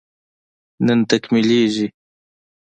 نن تکميلېږي